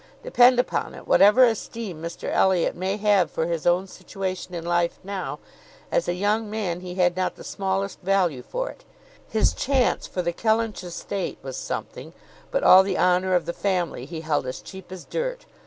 Depend upon it, whatever esteem Mr Elliot may have for his own situation in life now, as a young man he had not the smallest value for it. His chance for the Kellynch estate was something, but all the honour of the family he held as cheap as dirt.